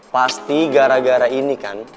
pasti gara gara ini kan